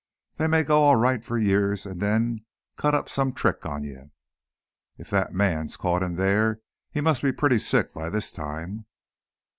They may go all right for years and then cut up some trick on you. If that man's caught in there, he must be pretty sick by this time!"